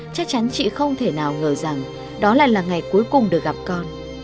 chắc chắn chị không thể nào ngờ rằng đó lại là ngày cuối cùng được gặp con